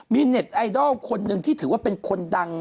มีเน็ตไอดอลคนหนึ่งที่ถือว่าเป็นคนดัง